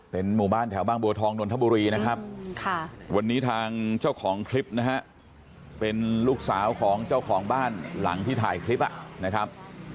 เป็นหมู่บ้านแถวบางบัวทองนนทบุรีนะครับวันนี้ทางเจ้าของคลิปนะฮะเป็นลูกสาวของเจ้าของบ้านหลังที่ถ่ายคลิปนะครับ